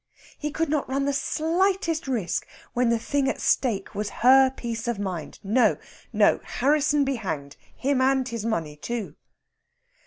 He could not run the slightest risk when the thing at stake was her peace of mind. No, no Harrisson be hanged! Him and his money, too.